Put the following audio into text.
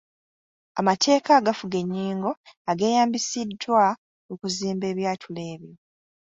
Amateeka agafuga ennyingo ageeyambisiddwa okuzimba ebyatulo ebyo.